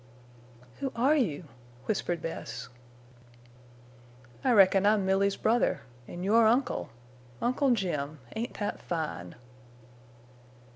"Who are you?" whispered Bess. "I reckon I'm Milly's brother an' your uncle!... Uncle Jim! Ain't that fine?"